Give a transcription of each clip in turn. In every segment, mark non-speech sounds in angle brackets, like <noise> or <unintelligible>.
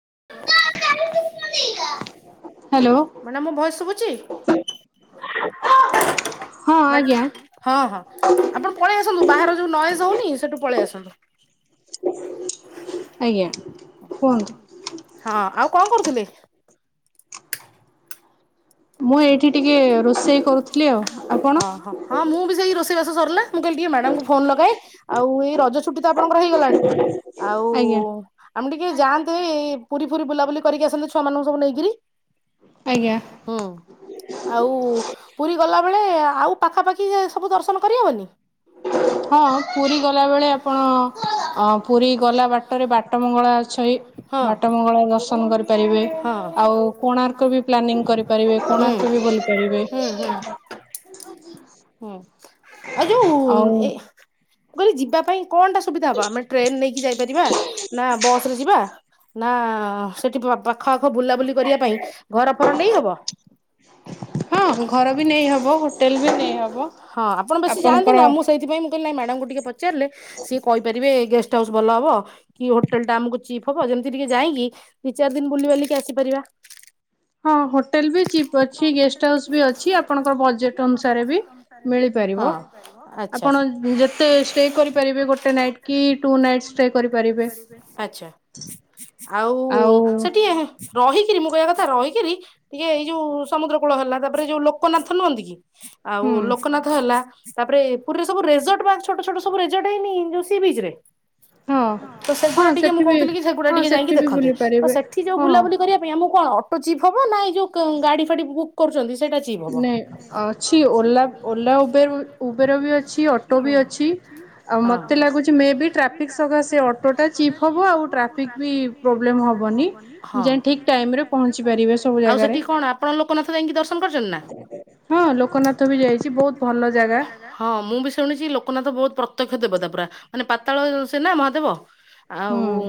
<inaudible> <inaudible> ମ ମୋ ଭୟସୁଛି ହଁ ହଁ ଆପଣ ପଳେଇ ଆସନ୍ତୁ ବାହାର ଯୋଉ ନଏସ ହଉନି ସେଠୁ ପଳେଇ ଆସନ୍ତୁ ହଁ ଆଉ କଣ କରୁଥିଲେ? ହୋ ହଁ ମୁଁ ବି ସେଇ ରୋଷେଇ ସରିଲେ ମୁଁ କହିଲି ଟିକିେ ମ୍ୟାଡ଼ାମକୁ ଫୋନ୍ ଲଗାଏ ଆଉ ଏଇ ରଜ ଛୁଟି ତ ଆପଣଙ୍କର ହେଇଗଲାଣି ଆଉ ଆମେ ଟିକିେ ଯାଆନ୍ତୁ ପୁରୀ ପୁରୀ ବୁଲାବୁଲି କରିକି ଆସନ୍ତି ଛୁଆମାନଙ୍କୁ ନେଇକରି ଆଜ୍ଞା ଆଉ ପୁରୀ ଗ ଲା ବେଳେ ଆଉ ପାଖାପାଖି ଯେ ସବୁ ଦର୍ଶନ କରିହବନି? ହଁ ପୁରୀ ଗଲାବେେଳେ ଆପଣ ଅ ପୁରୀ ଗଲା ବାଟରେ ବାଟମଙ୍ଗଳା ଅଛଇ ବାଟମଙ୍ଗଳା ଦର୍ଶନ କରିପାରିବେ। ଆଉ କୋଣାର୍କ ବି ପ୍ଲାନିଂ କରିପାରିବେ। କୋଣା ପୁରୀ ବୁଲି ପାରିବେ। ଆଜ ଯୋଉ ଏ କହିଲି ଯିବା ପାଇଁ କଣଟା ସୁବିଧା ହବ, ଆମେ ଟ୍ରେନ୍ ନେଇକି ଯାଇପାରିବା ନା ବସ୍ ରେ ଯିବା? ନା ସେଠି ବ-ବା ଖ ଆଖ ବୁଲାବୁଲି କରିବା ପାଇଁ ଘର ଫର ନେଇ ହବ? ହଁ ଆପଣ ବେଶୀ ଯାଆନ୍ତି ନା, ମୁଁ ସେଇଥିପାଇଁ ମୁଁ କହିଲି ନାଇଁ ମାଡାମ୍ ଙ୍କୁ ଟିକେ ପଚାରିଲେ ସିଏ କହିପାରିବେ ଗେଷ୍ଟ ହାଉସ୍ ଭଲ ହବ କି ହୋଟେଲ୍ ଟା ଆମକୁ ଚିପ୍ ହବ ଯେମିତି ଟିକେ ଯାଇକି ଦି ଚାରି ଦିନ ବୁଲି ବାଲିକି ଆସିପାରିବା। ହଁ ହୋ ହଁ ଆଚ୍ଛା, ଆଚ୍ଛା ଆଉ ସେଠି ଏହେ ରହିକିରି ମୁଁ କହିବା କଥା ରହିକିରି ଟିକେ ଏଇ ଯୋଉ ସମୁଦ୍ର କୂଳ ହେଲା ତାପରେ ଯୋଉ ଲୋକନାଥ ନୁହନ୍ତି କି ଆଉ ଲୋକନାଥ ହେଲା ତାପରେ ପୁରୀରେ ସବୁ ରେଜଟ୍ ବା ଛୋଟ ଛୋଟ ସବୁ ରେଜଟ୍ ହେଇନି ଯୋଉ ସି ବିଚ୍ ରେ ତ ସେଗୁଡା ଟିକେ ମୁଁ କହୁଥିଲି କି ସେଗୁଡା ଟିକେ ଯାଇକି ଦେଖନ୍ତେ ତ ସେଠି ଯୋଉ ବୁଲାବୁଲି କରିବା ପାଇଁ ଆମକୁ କଣ ଅ ତ ଚିପ୍ ହବ ନାଇଁ ଯୋଉ କ-ଗାଡ଼ି ଫାଡ଼ି ବୁକ୍ କରୁଚନ୍ତି ସେଇଟା ଚିପ୍ ହବ, ହୁଁ ହଁ ହଁ। ଆଉ ସେଠି କଣ ଆପଣ ଲୋକନାଥ ଯାଇଁକି ଦର୍ଶନ କର ଚନ୍ ନା, ହଁ ମୁଁ ବି ଶୁଣିଚି ଲୋକନାଥ ବୋହୁତ ପ୍ରତେ ହେ ଦେବତା ପରା ମାନେ ପାତାଳ ସେ ନାଁ ମହାଦେବ ଆଉ ଉଁ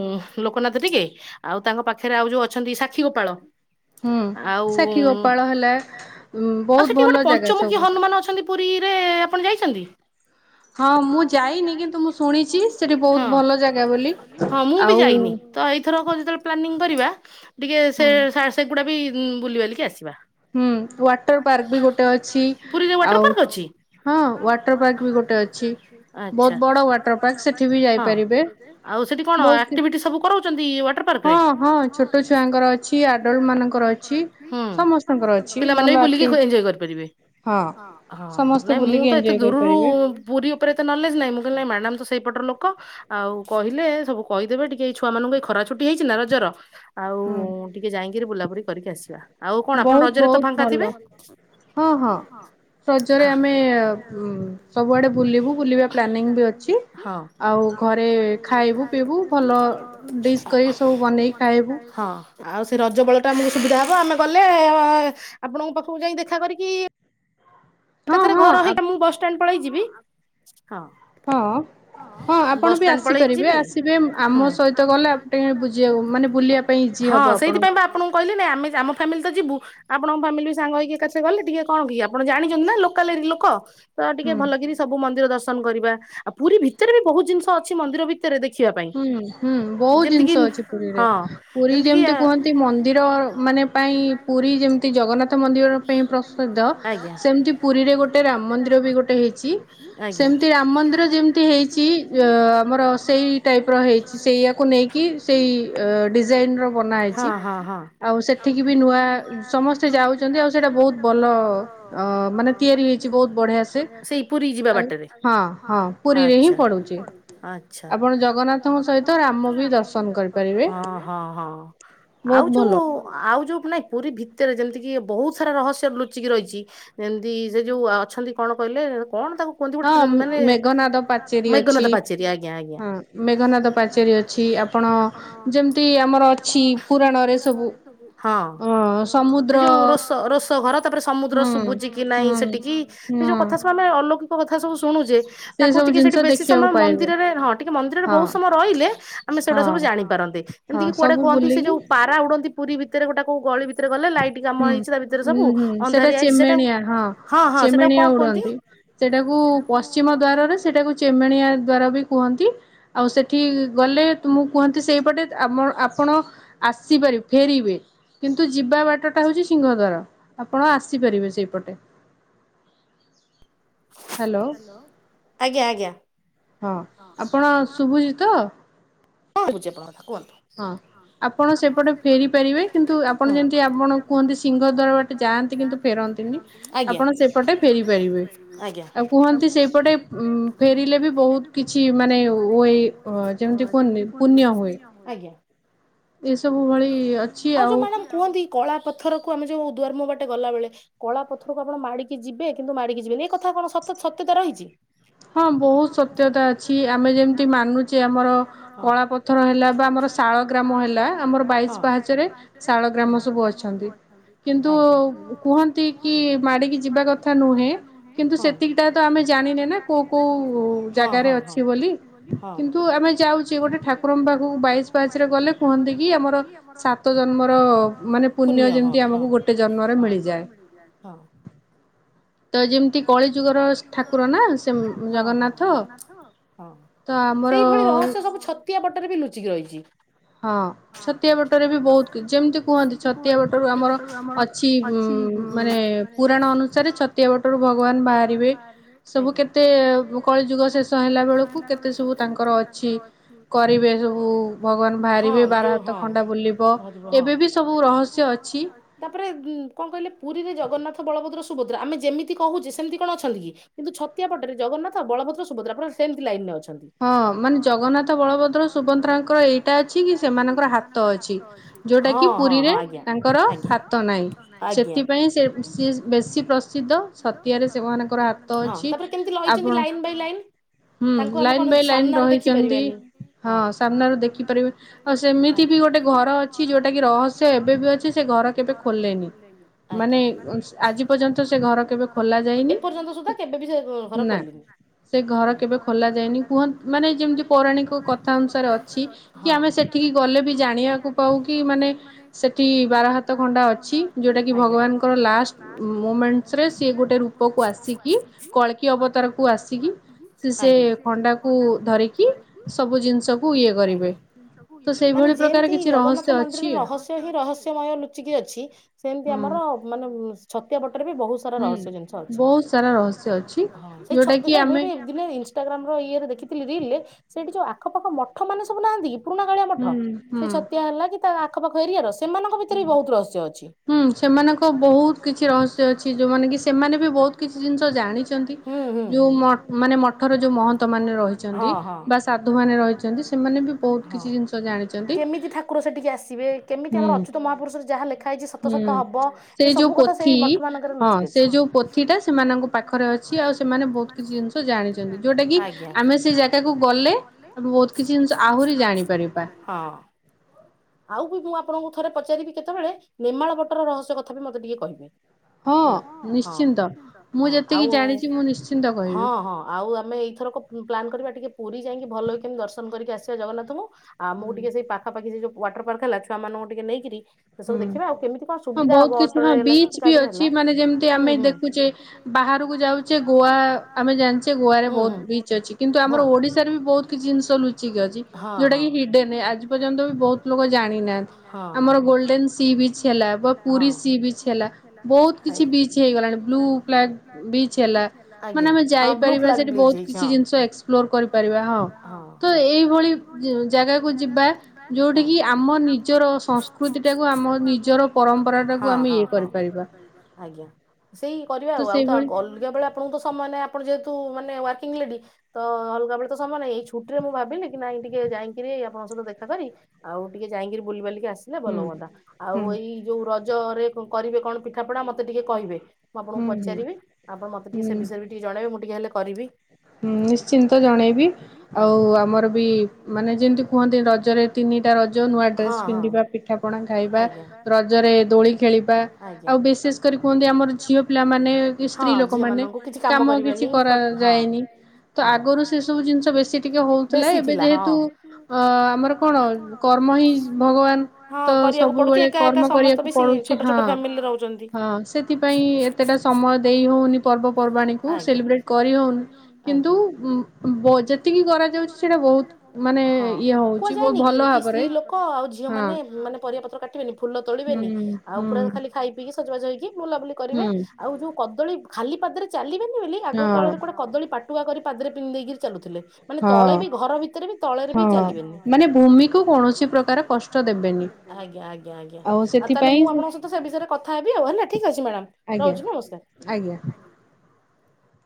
ଲୋକନାଥ ସେଠିକି ଆଉ ତାଙ୍କ ପାଖେରେ ଆଉ ଯୋଉ ଅଛନ୍ତି ସାକ୍ଷୀଗୋପାଳ ଆଉ ଉଁ, ଆଉ ସେଠି ଗୋଟେ ପଞ୍ଚମୁଖୀ ହନୁମାନ ଅଛନ୍ତି ପୁରୀରେ ଆପଣ ଯାଇଛନ୍ତି? ହଁ, ହଁ ମୁଁ ବି ଯାଇନି, ତ ଏଇଥରକ ଯେତୋଳେ ପ୍ଲାନିଂ କରିବା ଟିକେ ସେ ଶାଶ ବି ବୁଲିବାଲିକି ଆସିବା। ପୁରୀରେ ୱାଟର୍ ପାର୍କ ଅଛି, ଆଚ୍ଛା, ହଁ ଆଉ ସେଠି କଣ ଆକ୍ଟିଭିଟି ସବୁ କରଉ ହଁ ହଁ ଛୋଟ ଛୁଆଙ୍କର ଅଛି ଆ ହୁଁ ପିଲାମାନେ ବି ବୁଲିକି ଖେ-ଏନଞ୍ଜୟ କରିପାରିବେ, ହଁ, ହଁ ନାଇଁ ମୁଁ ତ ଏତେ ଦୂରୁରୁ ପୁରୀ ଉପରେ ଏତେ ନଲେଜ୍ ନାହିଁ ମୁଁ କହିଲି ନାଇଁ ମାଡାମ୍ ତ ସେଇପଟ ଲୋକ ଆଉ କହିଲେ ସବୁ କହିଦେବେ ଟିକେ ଏଇ ଛୁଆମାନଙ୍କୁ ଏଇ ଖରା ଛୁଟି ହେଇଚି ନାଁ ରଜର। ଆଉ ଟି ଯାଇଁକିରି ବୁଲାବୁଲି କରିକି ଆସିବା। ଆଉ କଣ ଆପଣ ରଜରେ ତ ଫାଙ୍କା ଥିବେ? ହଉ ହଉ। ଆଉ ସେ ରଜ ବେଳଟା ଆମୁକୁ ସୁବିଧା ହବ ଆମେ ଗଲେ ଆପଣଙ୍କ ପାଖକୁ ଯାଇଁ ଦେଖା କରିକି ଏକାଥରେ ଘର ହେଇକି ଆମୁକୁ ବସ୍ ଷ୍ଟାଣ୍ଡ ପଳେଇଯିବି ହଁ ହଁ ବସ୍ ଷ୍ଟାଣ୍ଡ ପଳେଇଯିବେ ହଁ ସେଇଥିପାଇଁ ପା ଆପଣଙ୍କୁ କହିଲି। ନାଇଁ ଆମେ ଆମ ଫ୍ୟାମିଲି ତ ଯିବୁ ଆପଣଙ୍କ ଫ୍ୟାମିଲି ବି ସାଙ୍ଗ ହେଇକି ଏକା ଛେକେ ଗଲେ ଟିକେ କଣ କି ଆପଣ ଜାଣି ତ ନାଁ ଲୋକାଲ ଏରି ଲୋକ ତ ଟିକେ ଭଲ କିରି ସବୁ ମନ୍ଦିର ଦର୍ଶ ତନ୍ କରିବା। ଆଉ ପୁରୀ ଭିତରେ ବି ବହୁତ ଜିନିଷ ଅଛି ମନ୍ଦିର ଭି ହୁଁ ହୁଁ ବହୁତ ଜିନିଷ ଅଛି ପୁରୀରେ। ପୁରୀ ଯେମତି କୁହନ୍ତି ମନ୍ଦିର ମାନେ ପାଇଁ ପୁରୀ ଯେମତି ଜଗନ୍ନାଥ ମନ୍ଦିର ପାଇଁ ପ୍ରସିଦ୍ଧ ସେ ସେମିତି ପୁରୀରେ ଗୋଟେ ରାମ ମନ୍ଦିର ବି ଗୋଟେ ହେଇଚି ସେମତି ରାମ ମନ୍ଦିର ଯେମିତି ହେଇଚି ଅ ଆମର ସେଇ ଟାଇପର ହେଇଚି ସେଇଆକୁ ନେଇକି ସେଇ ଅ ଡିଜାଇନ୍ ର ବନା ହେଇଚି। ଆଉ ସେଠି କି ବି ନୂଆ ସମସ୍ତେ ଯାଉଚନ୍ତି ଆଉ ସେଟା ବୋହୁତ ଭଲ ଆ ଳସେଇ ପୁରୀ ଯିବା ବାଟରେ? ଆଚ୍ଛା ଆ ଚ୍ଛା ହଁ ହଁ ହଁ ଆଉ ଯୋଉ ଆଉ ଯୋଉଠି ନାଇଁ ପୁରୀ ଭିତରେ ଯେମିତି କିି ବହୁତ ସାରା ରହସ୍ୟ ଲୁଚିକି ରହିଚି ଯେମତି ସେ ଯୋଉ ଅଛନ୍ତି କଣ କହିଲେ କଣ ତାକୁ କୁହନ୍ତି ଗୋଟେ ମାନେ ମେଘନାଦ ପାଚେରୀ ଆଜ୍ଞା ଆଜ୍ଞା ହଁ ସେ ଯୋଉ ରୋଷ ରୋଷ ଘର ତାପରେ ସମୁଦ୍ର ଶୁଭୁଚି କି ନାଇଁ ସେଠିକି ସେ ଯୋଉ କଥା ସବୁ ନାହିଁ ଅଲୌକିକ କଥା ସବୁ ଶୁଣୁଚେ ତାକୁ ଟିକେ ସେଠି ବେଶୀ ସମୟ ମନ୍ଦିରରେ ହଁ ଟିକେ ମନ୍ଦିରରେ ବୋହୁତ ସମୟ ରହିଲେ ଆମେ ସେଇଟା ସବୁ ଜାଣିପାରନ୍ତେ ଏମିତି କି କୁଆଡ଼େ କହନ୍ତି ସେ ଯୋଉ ପାରା ଉଡନ୍ତି ପୁରୀ ଭିତରେ ଗୋଟା କୋଉ ଗଳି ଭିତରେ ଗଲେ ଲାଇଟ୍ କାମ ହେଇଚି ତା ଭିତରେ ସବୁ ଅନ୍ଧାରିଆ ହେଇ ଚେମେଣିଆ ହଁ ଚେମେଣିଆ ଉଡ଼ନ୍ତି ସେଟାକୁ ପଶ୍ଚିମ ଦ୍ୱାରରେ ସେଟାକୁ ଚେମେଣିଆ ଦ୍ୱାର ବି କୁହନ୍ତି। ଆଉ ସେଠି ଗଲେ ତୁମକୁ କୁହନ୍ତି ସେଇ ପଟେ ଆମ ଆପଣ ଆପଣ ଆସିପାରିବେ ଫେରିବେ କିନ୍ତୁ ଯିବା ବାଟ ସେଟା ହୋଉଚି ସିଂହଦ୍ୱାର ଆପଣ ଆସିପାରିବେ ସେଇପଟେ। ରଆଜ୍ଞା ଆଜ୍ଞା। ହଁ ଆପଣ ଶୁଭୁଚି ତ? ହଁ। କୁହନ୍ତୁ ହଁ ଆଜ୍ଞା ଆଜ୍ଞା <unintelligible> <inaudible> ଆଉ ଯୋଉ ମ୍ୟାଡାମ କୁହନ୍ତି କଳା ପଥର ଆମେ ଯୋଉ ଦୁଆର ବାଟେ ଗଲାବେଳେ କଳା ପଥରକୁ ଆପଣ ମାଡିକି ଯିବେ କିନ୍ତୁ ମାଡିକି ଯିବେନି ଏଇ କଥା କଣ ସତ ସତ୍ୟତା ରହିଛି। ହଁ ବହୁତ ସତ୍ୟତା ଅଛି ଆମେ ଯେମତି ମାନୁଛେ ଆମର କଳାପ କଳା ପଥର ହେଲା ବା ଆମର ଶାଳ ଗ୍ରାମ ହେଲା ଆମର ବାଇଶ ପାହାଚରେ ଶାଳ ଗ୍ରାମ ସବୁ ଅଛନ୍ତି କିନ୍ତୁ କୁହନ୍ତି କି ମାଡିକି ଯିବା କଥା ନୁହେଁ କିନ୍ତୁ ସେତିକିଟା ତ ଆମେ କୋଉ କୋଉ ଜାଗାରେ ଅଛି ବୋଲି କିନ୍ତୁ ଆମେ ଯାଉଛେ ଗୋଟେ ଠାକୁ ଠାକୁରଙ୍କ ପାଖକୁ ବାଇଶ ପାହାଚ ରେ ଗଲେ କୁହନ୍ତି କି ଆମର ସାତ ଜନ୍ମର ମାନେ ପୁଣ୍ୟ ଯେମିତି ଆମକୁ ଗୋଟେ ଜନ୍ମରେ ମିଳିଯାଏ ତ ଯେମିତି କଳିଯୁଗର ଠାକୁର ନା। ହଁ ହଁ ଜଗନ୍ନାଥ ସେଇଭଳି ରହସ୍ୟ ସବୁ ଛ ପଟରେ ବି ଲୁଚିକି ରହିଛି। ହଁ ଛତିଆ ବଟରେ ବି ବହୁତ ଯେମିତି କୁହନ୍ତି ଛତିଆ ବଟରୁ ଆମର ଅଛି ଉ ମାନେ ପୁରାଣ ଅନୁସାରେ ଛତିଆ ବଟରୁ ଭଗବାନ ବାହାରିବେ ସବୁ କେତେ କଳିଯୁଗ ଶେଷ ହେଲା ବେଳକୁ କେତେ ସବୁ ତାଙ୍କର ଅଛି। କରିବେ ସବୁ ଭ। ହଁ ଯୋଉ ହଁ ହଁ ଏ ରହ ତାପରେ କଣ କହିଲେ ପୁରୀରେ ଜଗନ୍ନାଥ ବଳଭଦ୍ର ସୁଭଦ୍ରା ଆମେ ଯେମିତି କହୁଛ ସେମତି କଣ ଅଛନ୍ତି କିନ୍ତୁ ଛତିଆ ପଟରେ ଜଗନ୍ନାଥ ଆଉ ବଳଭଦ୍ର ସୁଭଦ୍ରା ଆଣ ସେମିତି ଲାଇନ ରେ ଅଛି। ହଁ ମାନେ ଜଗନ୍ନାଥ ବଳଭଦ୍ର ସୁଭଦ୍ରା ଅଛିଙ୍କ ଅ ହଁ ହଁ ହଁ ତାପରେ କେମତି ରହିଛନ୍ତି line by line line by line ରହିଛନ୍ତି। ହଁ ହଁ ସାମ୍ ଦେଖିପାରିବେ ସେମି ବି ଗୋଟେ ଘର ଅଛି ଯୋଉଟା କି ରହସ୍ୟ ଏବେ ବି ଅଛି ସେ ଘ କେବେ ଖୋଲେନି ଆଜି ମାନେ ଆଜି ପର୍ଯ୍ୟନ୍ତ କେ ଏର୍ଯ୍ୟ ସୁଧା କେବେ ବି ସେ ଘ ଖୋଲେନି କେ କୁହ ମାନେ ଯେମିତି ପୌରାଣିକ କଥା ଅଛି କି ଆମେ ସେଠିକି ଗଲେ ବି ଜାଣିବାକୁ ପାଉ କି ମାନେ ସେଠି ବାର ହାତ ଖଣ୍ଡା ଅଛି ଯୋଉଟା କି ଭଗବାନଙ୍କର ଲାଷ୍ଟ ମୁମେଣ୍ଟ ରେ ସିଏ ଗୋଟେ ରୂପକୁ ଆସିକି କଳକି ଅବତାରକୁ ଆସିକି ସେ ଖଣ୍ଡାକୁ ଧରିକି ଆଜ୍ଞା ମାନେ ଯେମିତି ଜଗନ୍ନାଥ ମନ୍ଦିରରେ ରହସ୍ୟ ହିଁ ରହସ୍ୟମୟ ଲୁଚିକି ଅଛି ସେମିତି ଆମର ମାନେଛ ଏବେ ବହୁତ ସାରା ରହସ୍ୟ ଜିନିଷ ଅଛି। ହଁ ସେ ଛ ନାଇଁ ଇନ୍ଷ୍ଟଗ୍ରାମ ରିଲ ଦେଖିଥି କିଣିଲେ ସେଠି ଯୋଉ ଆ କ ପାଖ ମଠ ମାନେ ସବୁ ନାହାନ୍ତି କି? ପୁରୁଣା କଳିଆ ମଠ ସେ ଛତିଆ ହେଲା କି ତା ଆ ଆଖ ପାଖ ଏରିଆର ସେମାନଙ୍କ ଭିତରେ ବି ବହୁତ ରହସ୍ୟ ଅଛି ହୁଁ ସେମାନଙ୍କ ବହୁତ କିଛି ରହସ୍ୟ ଅଛି ଯୋଉମାନେ କି ସେମାନେ ବି ବହୁତ କିଛି ଜିନିଷ ଜାଣି ଯୋଉ ମାନେ ମଠର ଯୋଉ ମହନ୍ତ ମାନେ ଅଛନ୍ତି। ବା ସାଧୁ ମାନେ ରହିଛନ୍ତି ସେମାନେ କେମିତି ଠାକୁର ସେଠିକି ଆସିବେ କେମିତି ଆମର ଅଚ୍ୟୁ ଯାହା ଲେଖା ହେଇଛି ସତ ସତ ହବ ଏଇ ସବୁ କଥା ସେଇ ମଠ ମାନଙ୍କରେ ଲୁଚିକି ଅଛି ଯୋଉ ପୋଥିଟା ସେମାନଙ୍କ ପାଖରେ ଅଛି ଆଉ ସେମାନେ ବହୁତ କିଛି ଜିନିଷ ଜାଣିଛନ୍ତି ଆଜ୍ଞା ଆମେ ସେ ଜାଗାରେ ଗଲେ ଆହୁରି ଜାଣିପାରିବେ ଆଉ ବି ମୁଁ ଆପଣଙ୍କୁ ଆପଣଙ୍କୁ ଥରେ ପଚାରିବି କେତେବେଳେ ନେମାଳ ବଟର ରହସ କଥା ବି ମତେ ଟିକେ କହିବେ ହେଲା ହଁ ହଁ ଆଉ ହଁ ହଁ ଆଉ ଆମେ ଏଇଥର ପ୍ଲାାନ କରିବା ଟିକେ ପୁରୀ ଯାଇକି ଭଲ କି କେମିତି ଦର୍ଶନ କରି ଆସିବା ଜଗନାଥଙ୍କୁ ଆମକୁ ଟିକେ ସେଇ ପାଖାପାଖି ସେ ଯୋଉ ୱାଟର ପାର୍କ ହେଲା ଛୁଆମାନଙ୍କୁ ଟିକେ ନେଇକିରି ସେ ସବୁ ଦେଖିବା ଆଉ କେମିତି କଣ ସୁବିଧା ହବ ଅଟୋରେ ହେଲା କି ଗାଡିରେ ହେଲା ହୁଁ ହୁଁ ହୁଁ ହୁଁ ହଁ ଭିତରେ ବି ବହୁତ କିଛି ଜିନିଷ ଲୁଚିକି ଅଛି ଯୋଉଟା କି ହିଡେନ ଆଜି ପର୍ଯ୍ୟନ୍ତ ବି ବହୁତ ଲୋକ ଜାଣିନାହାନ୍ତି ଆମର ଗୋଲଡ ଲେନ ସି ବିଚ୍ ହେଲା ବା ପୁରୀ ସି ବିଚ୍ ହେଲା ବହୁତ କିଛି ବିଚ୍ ହେଇଗଲାଣି ବ୍ଲୁ ଫ୍ଲାଗ୍ ବିଚ୍ ହେଲା ମାନେ ଆମେ ଯାଇପାରିବା ସେଠି ବହୁତ କିଛି ଜିନିଷ ଏକ୍ସପ୍ଲୋର କରି ପାରିବା ହଁ ତ ଏଇଭଳି ଜାଗାକୁ ଯିବା ଯୋଉଠ କିି ଆମ ନିଜର ସଂସ୍କୃତି ହଁ ହଁ ଆଜ୍ଞା ସେଇ କରିବା ଆଉ ଆଉ ତ ଅଲଗା ବେଳେ ଆପଣଙ୍କୁ ତ ସମୟ ନାହିଁ ଆପଣ ଯେହେତୁ ଙ୍କୁ ମାନେ ୱର୍କିଙ୍ଗ ଲେଡି ତ ଅଲ ଗା ବେଳେ ତ ସମମାନେ ଏଇ ଛୁଟିରେ ମୁଁ ଭାବିଲି ନାଇଁ ଟିକେ ଯାଇଁକିରି ଆପଣଙ୍କ ସହିତ ଦେଖା କରି ଆଉ ଟିକେ ଯାଇକିରି ବୁଲି ବାଲିକି ଆସି ଆସିଲେ ଭଲ ହୁଅନ୍ତା ଆଉ ଏଇ ଯୋଉ ରଜ ଜରେ କରିବେ କଣ ପିଠାପଣାା ମତେ ଟିକେ କହିବେ ମୁଁ ଆପଣଙ୍କୁ ପଚାରିବି ଆପଣ ମତେ ଟିକେ ସେ ବିଷୟରେ ଟିକେ ଜଣାଇବେ ମୁଁ ଟିକେ ହେଲେ କରିବି ହୁଁ ନିଶ୍ଚିନ୍ତ। ଆଜ୍ଞା ହଁ ହଁ ଆଜ୍ଞା ଆଜ୍ଞା ଝିଅ ମାନଙ୍କୁ କିଛି କାମ କରିବାନି ହଁ ତ ଆଗରୁ ସେ ସବୁ ଜିନିଷ ବେଶୀ ଟିକେ ହଉଥିଲା ଏବେ ଯେହେତୁ ଅ ଆମର କଣ କର୍ମ ହିଁ ଭଗବାନ ତ ସବୁବେଳେ କର୍ମ କରିବାକୁ ପଡୁଛି ହଁ ହଁ ସେଥିପାଇଁ ଏତେଟା ସମୟ ଦେଇ ହଉନି ପର୍ବପର୍ବାଣୀ କୁ ସେଲିବ୍ରେଟ କରି ହଉନି। କିନ୍ତୁ ଉଁ ଉଁ ଉଁ ହଁ ଯେତିକି ବି କରାଯାଉଚି ସେଟା ବହୁତ ହଁ କୁହାଯାଏନି କି କି ସ୍ତ୍ରୀ ଲୋକ ଆଉ ଝିଅ ମାନେ ମାନେ ପରିଆ ପତ୍ର କାଟିବେନି ଫୁଲ ତୋଳିବେନି ଆଉ ପୁରା ଖାଲି ଖାଇ ପିଇକି ସଜବାଜ ହେ କି ବୁଲାବୁଲି କରିବେ ଆଉ ଯୋଉ କଦଳୀ ଖାଲି ପାଦରେ ଚାଲିବେନି ବୋଲି ଆଗ କଳରେ ଗୋଟେ କଦଳୀ ପାଟି ଟୁଆ କରି ପାଦରେ ପିନ୍ଧେଇକିରି ଚାଲୁଥିଲେ। ମାନେ ତଳେ ବି ଘର ଭିତରେ ବି ତଳରେ ବି ଚାଲିବେନି <inaudible> ଆଜ୍ଞା ଆଜ୍ଞା ଆଜ୍ଞା ଆଉ ତାଲେ ମୁଁ ଆପଣଙ୍କ ସହିତ ସେ ବିଷୟରେଥା ହେବି ଆଉ ହେଲା ଠିକ ଅଛି ମ୍ୟାଡ଼ାମ୍ ରହୁଚି ନମସ୍କାର